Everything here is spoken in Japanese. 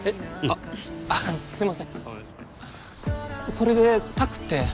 あっすいませんそれで拓って？